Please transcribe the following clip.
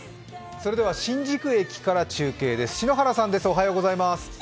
それでは新宿駅から中継です。